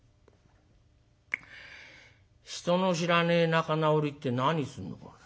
人の知らねえ仲直りって何するのかね。